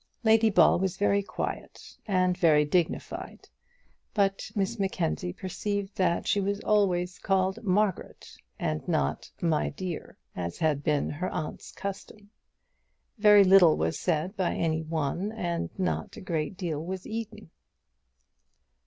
Lady Ball was very quiet, and very dignified; but Miss Mackenzie perceived that she was always called "Margaret," and not "my dear," as had been her aunt's custom. Very little was said by any one, and not a great deal was eaten.